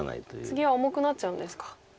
ツギは重くなっちゃうんですか。